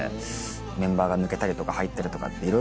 メンバーが抜けたりとか入ったりとかいろいろあって。